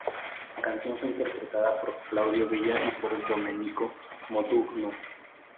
La canción fue interpretada por Claudio Villa y por Domenico Modugno.